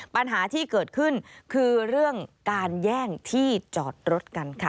ปัญหาที่เกิดขึ้นคือเรื่องการแย่งที่จอดรถกันค่ะ